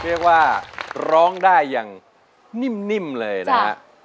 เรียกว่าร้องได้อย่างนิ่มเลยนะฮะ